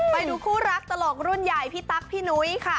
ไปดูคู่รักตลกรุ่นใหญ่พี่ตั๊กพี่นุ้ยค่ะ